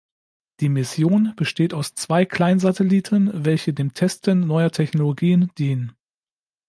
Die Mission besteht aus zwei Kleinsatelliten, welche dem Testen neuer Technologien dienen.